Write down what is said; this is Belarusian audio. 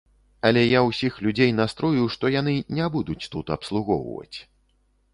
Але я ўсіх людзей настрою, што яны не будуць тут абслугоўваць.